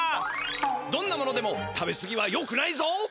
どんなものでも食べすぎはよくないぞ！